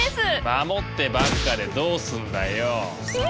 守ってばっかでどうすんだよ！